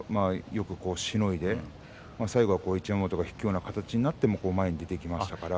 よくしのいで最後は一山本が引くような形になって前に出ていきましたから。